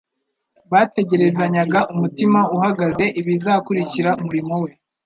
bategerezanyaga umutima uhagaze ibizakurikira umurimo we.